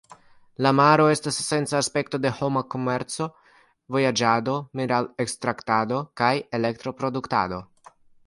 La maro estas esenca aspekto de homa komerco, vojaĝado, mineral-ekstraktado, kaj elektro-produktado.